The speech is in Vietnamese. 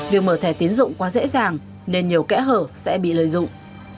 việc mở thẻ tiến dụng quá dễ dàng nên nhiều kẽ hở sẽ bị lợi dụng